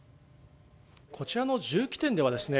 こちらの銃器店ではですね